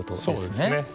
そうですね。